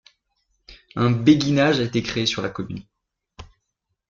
Un béguinage a été créé sur la commune.